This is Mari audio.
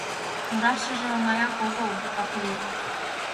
Мурашыже оҥаяк огыл... ок лий.